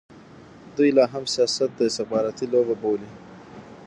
دوی لا هم سیاست د استخباراتي لوبه بولي.